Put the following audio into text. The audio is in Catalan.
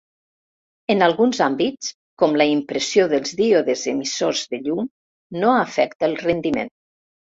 En alguns àmbits, com la impressió dels díodes emissors de llum no afecta el rendiment.